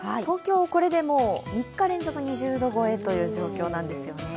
東京、３日連続２０度超えという状況なんです